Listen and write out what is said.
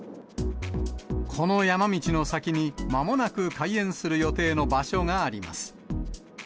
この山道の先に、まもなく開園する予定の場所があります。